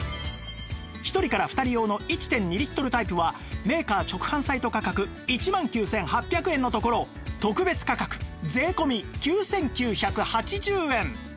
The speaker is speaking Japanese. １人から２人用の １．２ リットルタイプはメーカー直販サイト価格１万９８００円のところ特別価格税込９９８０円